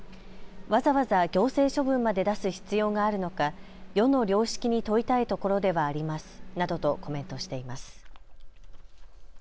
わざわざ行政処分まで出す必要があるのか、世の良識に問いたいところではありますなどとコメントしています。